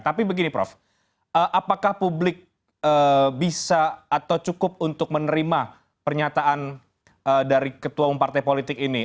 tapi begini prof apakah publik bisa atau cukup untuk menerima pernyataan dari ketua umum partai politik ini